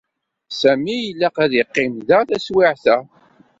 Sami ilaq ad yeqqim da taswiɛt-a.